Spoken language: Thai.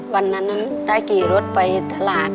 วันนั้นได้กี่รถไปตลาด